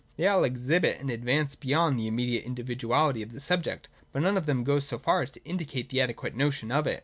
They all exhibit an advance beyond the immediate individuality of the subject, but none of them goes so far as to indicate the adequate notion of it.